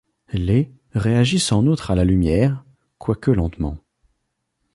Les réagissent en outre à la lumière, quoique lentement.